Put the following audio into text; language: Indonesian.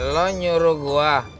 lo nyuruh gua